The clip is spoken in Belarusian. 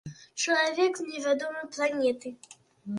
Чалавек з невядомай планеты.